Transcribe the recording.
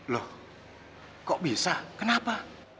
loh kok bisa kenapa